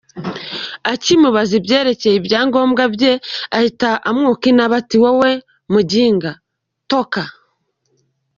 Akimubaza ibyerekeye ibyangombwa bye, ahita amwuka inabi ati “Wowe muginga toka!”